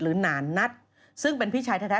หนานนัทซึ่งเป็นพี่ชายแท้